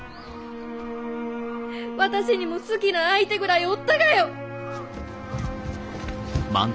私にも好きな相手ぐらいおったがよ！